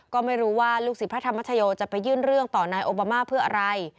ก็ไม่รู้ว่าลูกศิษย์พระธรรมชโยจะไปยื่นเรื่องต่อนายโอบามาเพื่ออะไร